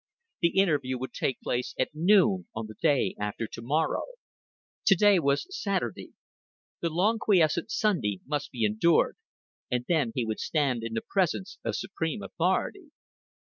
The interview would take place at noon on the day after to morrow. To day was Saturday. The long quiescent Sunday must be endured and then he would stand in the presence of supreme authority.